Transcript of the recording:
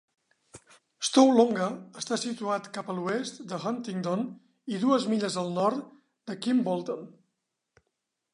Stow Longa està situat cap a l'oest de Huntingdon i dues milles al nord de Kimbolton.